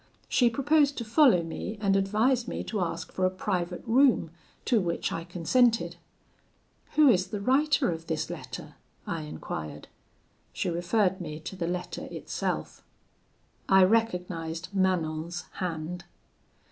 She proposed to follow me, and advised me to ask for a private room, to which I consented. 'Who is the writer of this letter?' I enquired. She referred me to the letter itself. "I recognised Manon's hand.